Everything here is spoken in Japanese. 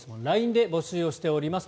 ＬＩＮＥで募集をしております。